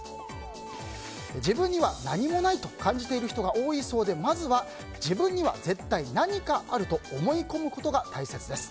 自分には何もないと感じている人が多いそうで、まずは自分には絶対何かあると思い込むことが大切です。